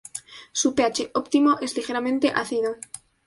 Su pH óptimo es ligeramente ácido.